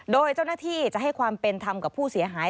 โดยเจ้าหน้าที่จะให้ความเป็นธรรมกับผู้เสียหาย